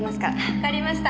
わかりました。